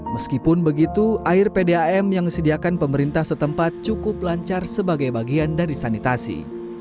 meskipun begitu air pdam yang disediakan pemerintah setempat cukup lancar sebagai bagian dari sanitasi